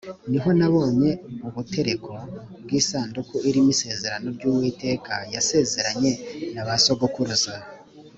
ni ho nabonye ubutereko bw’isanduku irimo isezerano ry’Uwiteka yasezeranye na ba sogokuruza